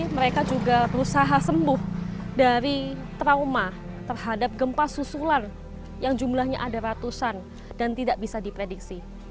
mereka juga berusaha sembuh dari trauma terhadap gempa susulan yang jumlahnya ada ratusan dan tidak bisa diprediksi